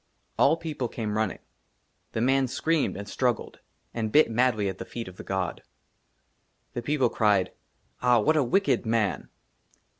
ALL PEOPLE CAME RUNNING. THE MAN SCREAMED AND STRUGGLED, AND BIT MADLY AT THE FEET OF THE GOD. THE PEOPLE CRIED, '* AH, WHAT A WICKED MAN